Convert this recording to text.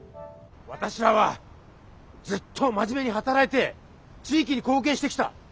私らはずっと真面目に働いて地域に貢献してきた。